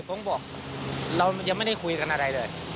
ผมบอกเรายังไม่ได้คุยกันอะไรเลย